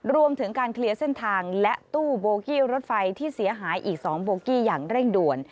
รวมถึงการเคลียร์เส้นทางและตู้โบกี้รถไฟที่เสียหายอีก๒โบกี้อย่างเร่งด่วน